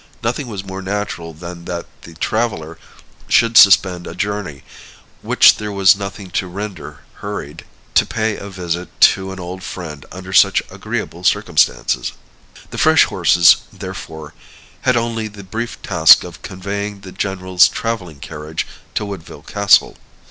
Nothing was more natural than that the traveler should suspend a journey, which there was nothing to render hurried, to pay a visit to an old friend under such agreeable circumstances. The fresh horses, therefore, had only the brief task of conveying the general's traveling carriage to Woodville Castle.